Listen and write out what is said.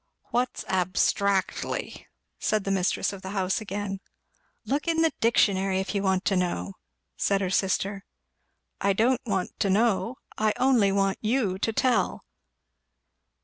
"What's abstractly?" said the mistress of the house again. "Look in the dictionary, if you want to know," said her sister. "I don't want to know I only want you to tell."